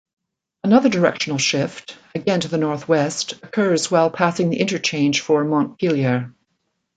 Another directional shift, again to the northwest, occurs while passing the interchange for Montpelier.